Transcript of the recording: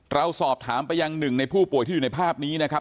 เราสอบถามไปยังหนึ่งในผู้ป่วยที่อยู่ในภาพนี้นะครับ